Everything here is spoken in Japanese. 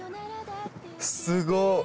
すごっ。